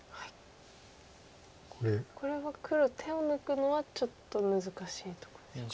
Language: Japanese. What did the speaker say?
これは黒手を抜くのはちょっと難しいとこですか。